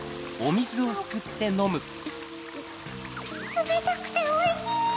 つめたくておいしい！